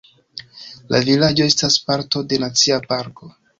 La vilaĝo estas parto de Nacia parko.